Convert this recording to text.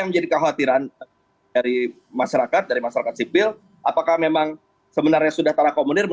jadi kekhawatiran dari masyarakat dari masyarakat sipil apakah memang sebenarnya sudah terakomunir